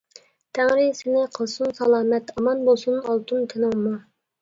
تەڭرى سىنى قىلسۇن سالامەت، ئامان بولسۇن ئالتۇن تىنىڭمۇ.